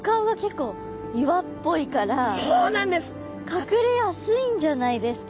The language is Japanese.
隠れやすいんじゃないですか？